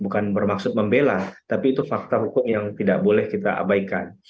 bukan bermaksud membela tapi itu fakta hukum yang tidak boleh kita abaikan